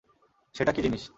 সেটা কী জিনিস?